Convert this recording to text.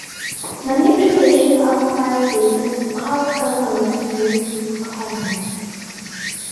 Manipulation of price data to cause customers to lose is common.